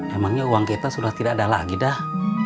emangnya uang kita sudah tidak ada lagi dah